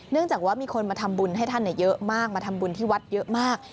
จากว่ามีคนมาทำบุญให้ท่านเยอะมากมาทำบุญที่วัดเยอะมาก